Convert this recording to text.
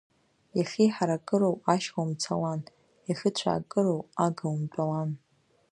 Иахьеиҳаракыроу ашьха умцалан, иахьыцәаакыроу ага умтәалан.